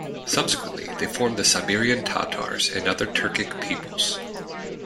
Subsequently, they formed the Siberian Tatars and other Turkic peoples.